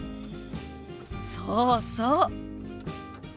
そうそう！